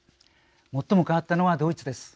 最も変わったのはドイツです。